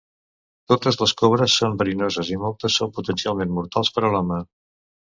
Totes les cobres són verinoses, i moltes són potencialment mortals per a l'home.